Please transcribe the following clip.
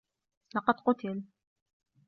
لقد قُتل.